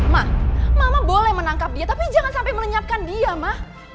mak mama boleh menangkap dia tapi jangan sampai melenyapkan dia mak